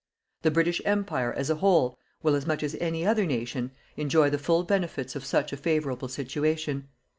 The British Empire, as a whole, will, as much as any other nation, enjoy the full benefits of such a favourable situation.